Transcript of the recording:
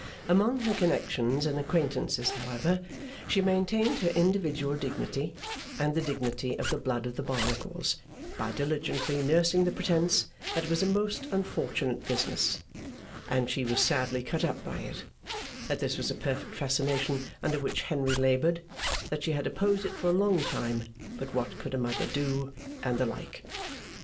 Among her connections and acquaintances, however, she maintained her individual dignity and the dignity of the blood of the Barnacles, by diligently nursing the pretence that it was a most unfortunate business; that she was sadly cut up by it; that this was a perfect fascination under which Henry laboured; that she had opposed it for a long time, but what could a mother do; and the like.